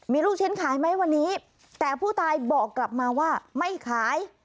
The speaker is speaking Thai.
มีลูกชิ้นขายไหมวันนี้แต่ผู้ตายบอกกลับมาว่าไม่ขาย